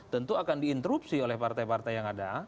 tentu akan diinterupsi oleh partai partai yang ada